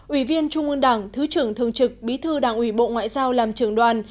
ủy viên trung ương đảng thứ trưởng thường trực bí thư đảng ủy bộ ngoại giao làm trưởng đoàn